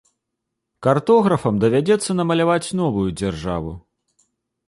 Картографам давядзецца дамаляваць новую дзяржаву.